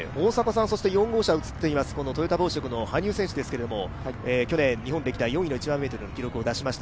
４号車で映っています、トヨタ紡織の羽生選手ですけれども、去年、日本歴代４位の１００００ｍの記録を出しました。